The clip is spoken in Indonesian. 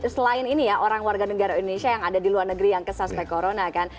selain ini ya orang warga negara indonesia yang ada di luar negeri yang kesuspek corona kan